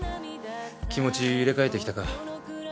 気持ち入れ替えてきたか？